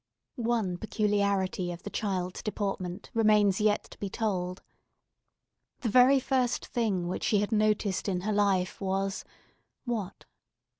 One peculiarity of the child's deportment remains yet to be told. The very first thing which she had noticed in her life, was—what?